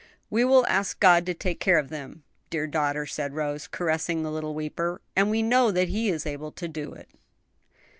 "We will ask God to take care of them, dear daughter," said Rose, caressing the little weeper, "and we know that He is able to do it."